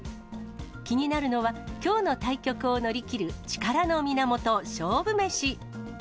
気になるのは、きょうの対局を乗り切る力の源、勝負メシ。